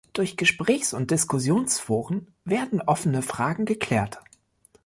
Durch Gesprächs- und Diskussionsforen werden offene Fragen geklärt.